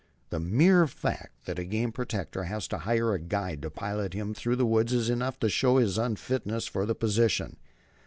The mere fact that a game protector has to hire a guide to pilot him through the woods is enough to show his unfitness for the position.